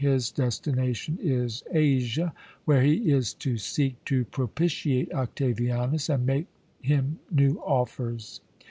His destination is Asia, where he is to seek to propitiate Octavianus and make him new offers.